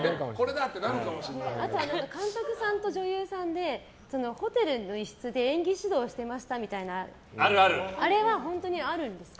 あとは監督さんと女優さんでホテルの一室で演技指導してましたみたいなあれは本当にあるんですか？